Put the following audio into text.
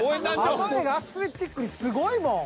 濱家がアスレチックにすごいもん。